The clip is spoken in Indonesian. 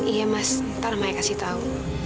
iya mas ntar mereka kasih tahu